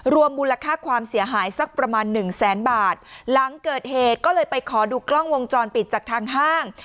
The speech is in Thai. รวมมูลค่าความเสียหายสักประมาณหนึ่งแสนบาทหลังเกิดเหตุก็เลยไปขอดูกล้องวงจรปิดจากทางห้าง